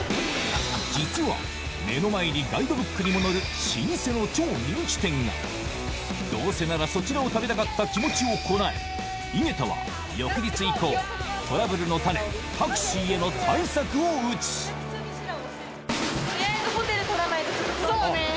実は目の前にガイドブックにも載る老舗の超人気店がどうせならそちらを食べたかった気持ちをこらえ井桁は翌日以降トラブルの種タクシーへの対策を打つそうね。